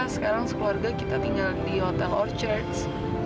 sekarang sekeluarga kita tinggal di hotel orcharge